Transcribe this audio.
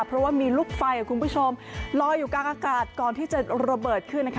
เพราะว่ามีลูกไฟคุณผู้ชมลอยอยู่กลางอากาศก่อนที่จะระเบิดขึ้นนะคะ